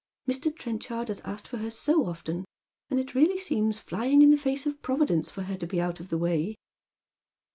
Mr. Ti'enchard has asked for her so often, and it really seems flying in the face of Providence for her to be out of the way."